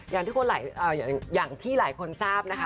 อย่างที่หลายคนทราบนะคะ